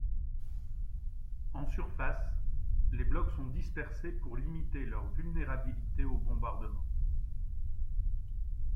En surface, les blocs sont dispersés pour limiter leur vulnérabilité aux bombardements.